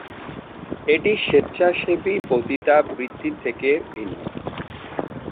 এটি স্বেচ্ছাসেবী পতিতাবৃত্তির থেকে ভিন্ন।